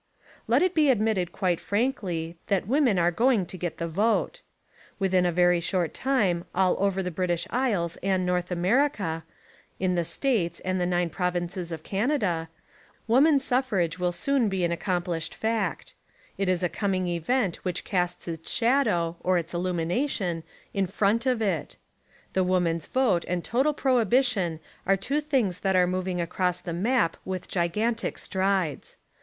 Let it be admitted quite frankly that women are going to get the vote. Within a very short time all over the British Isles and North Amer 148 Tlie Woman Question ica, — in the States and the nine provinces of Canada, — woman suffrage will soon be an ac complished fact. It is a coming event which casts its shadow, or its illumination, in front of it. The woman's vote and total prohibition are two things that are moving across the map with gigantic strides.